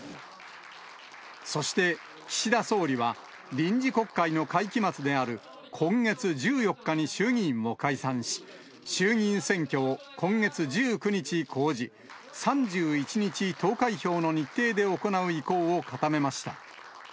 そして岸田総理は、臨時国会の会期末である今月１４日に衆議院を解散し、衆議院選挙を今月１９日公示、３１日投開票の日程で行う意向を固めました。